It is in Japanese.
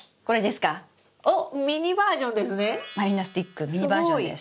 満里奈スティックミニバージョンです。